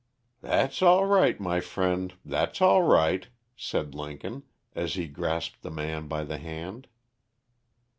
"That's all right, my friend, that's all right" said Lincoln, as he grasped the man by the hand.